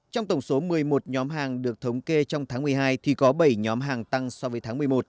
trong tổng số một mươi một nhóm hàng được thống kê trong tháng một mươi hai thì có bảy nhóm hàng tăng so với tháng một mươi một